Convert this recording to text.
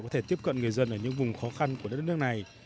có thể tiếp cận người dân ở những vùng khó khăn của đất nước này